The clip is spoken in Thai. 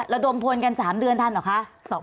ระดมพลกัน๓เดือนทันเหรอคะ